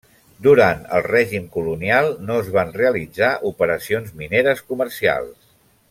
Durant el règim colonial, no es van realitzar operacions mineres comercials.